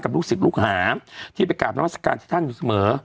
ลูกศิษย์ลูกหาที่ไปกราบนามัศกาลที่ท่านอยู่เสมอ